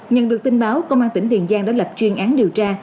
nhận được tin báo công an tỉnh tiền giang đã lập chuyên án điều tra